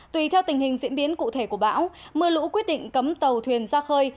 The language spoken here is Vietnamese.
tùy theo tình hình diễn biến cụ thể của bão mưa lũ quyết định cấm tàu thuyền ra khơi